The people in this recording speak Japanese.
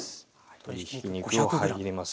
鶏ひき肉を入れます。